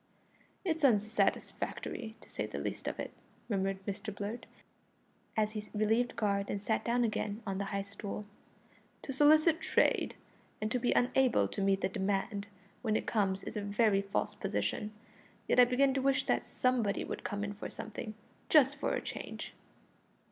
"It's unsatisfactory, to say the least of it," murmured Mr Blurt as he relieved guard and sat down again on the high stool. "To solicit trade and to be unable to meet the demand when it comes is a very false position. Yet I begin to wish that somebody would come in for something just for a change."